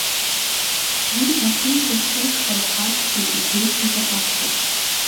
Уи ахьынӡасылшаз аԥхьаҩ игәеиҭозар акәхап.